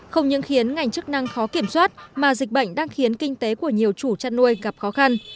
không những khiến ngành chức năng khó kiểm soát mà dịch bệnh đang khiến kinh tế của nhiều chủ chăn nuôi gặp khó khăn